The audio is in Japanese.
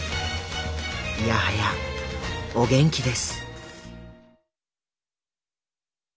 いやはやお元気です。